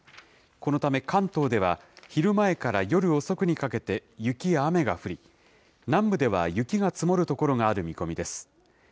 このため関東では、昼前から夜遅くにかけて雪や雨が降り、南部では雪が積もる所がある見込みです。